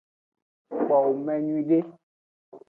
Kpowo me nyuiede.